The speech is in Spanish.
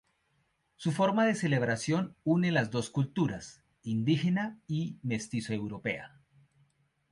Su forma de celebración une las dos culturas; indígena y mestizo-europea.